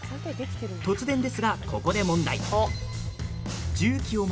突然ですが、ここで問題。